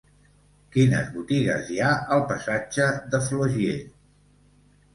Quines botigues hi ha al passatge de Flaugier?